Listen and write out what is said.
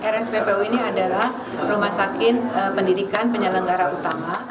rsppu ini adalah rumah sakit pendidikan penyelenggara utama